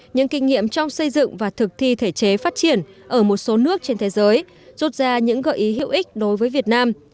những kinh nghiệm trong xây dựng và thực thi thể chế phát triển ở một số nước trên thế giới rút ra những gợi ý hữu ích đối với việt nam